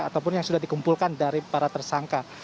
ataupun yang sudah dikumpulkan dari para tersangka